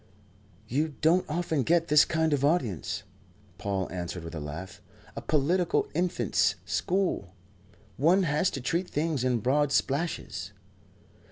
"You don't often get this kind of audience," Paul answered with a laugh. "A political infants' school. One has to treat things in broad splashes."